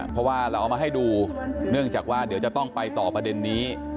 เพราะว่าเราเอามาให้ดูเนื่องจากว่าเดี๋ยวจะต้องไปต่อประเด็นนี้